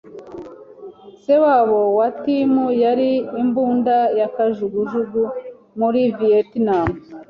Se wabo wa Tim yari imbunda ya kajugujugu muri Vietnam.